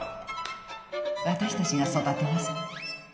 私たちが育てます